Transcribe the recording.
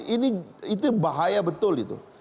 ini itu bahaya betul itu